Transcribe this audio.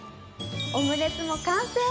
オムレツも完成！